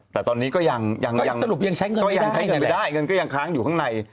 แต่ตอนนี้ก็ยังใช้เงินไปได้เงินก็ยังค้างอยู่ข้างใน